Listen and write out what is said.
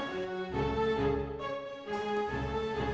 kalau aku boleh tau